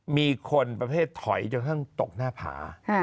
มีคนปะเภษแผ่ยจากครั้งตกหน้าผา